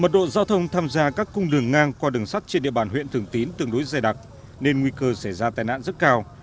mật độ giao thông tham gia các cung đường ngang qua đường sắt trên địa bàn huyện thường tín tương đối dài đặc nên nguy cơ xảy ra tai nạn rất cao